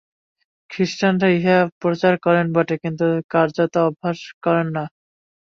খ্রীষ্টানরা ইহা প্রচার করেন বটে, কিন্তু কার্যত অভ্যাস করেন না।